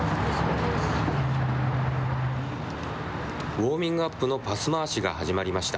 ウォーミングアップのパス回しが始まりました。